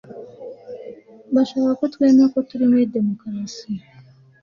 Bashaka ko twemera ko turi muri demokarasi